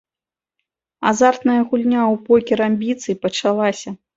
Азартная гульня ў покер амбіцый пачалася.